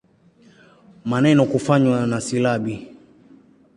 Maneno kufanywa na silabi.